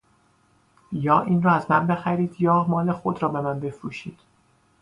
یا اینرا از من بخرید یا مال خودرا بمن فروشید